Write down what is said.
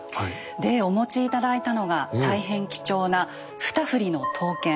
でお持ち頂いたのが大変貴重な二振の刀剣。